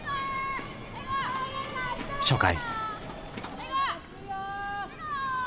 初回。